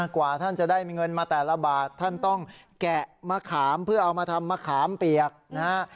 กว่าท่านจะได้เงินมาแต่ละบาทท่านต้องแกะมะขามเพื่อเอามาทำมะขามเปียกนะฮะ